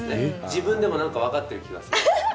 自分でも、なんか分かってる気がする。